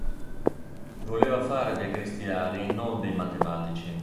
Voleva fare dei cristiani, non dei matematici".